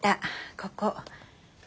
ここ。